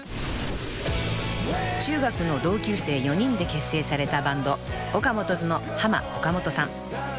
［中学の同級生４人で結成されたバンドＯＫＡＭＯＴＯ’Ｓのハマ・オカモトさん］